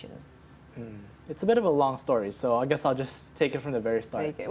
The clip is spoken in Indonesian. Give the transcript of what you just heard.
ini cerita yang agak panjang jadi saya akan mengambilnya dari awal